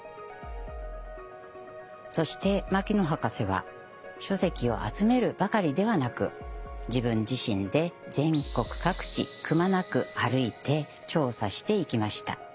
そして牧野博士は書籍を集めるばかりではなく自分自身で全国各地くまなく歩いて調査していきました。